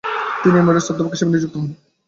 তিনি ইমেরিটাস অধ্যাপক হিসেবে নিযুক্ত হন।